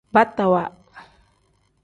Batawa.